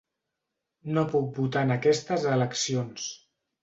No puc votar en aquestes eleccions.